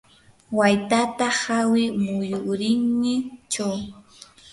waytata hawi muyurinninchaw.